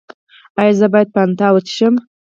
ایا زه باید فانټا وڅښم؟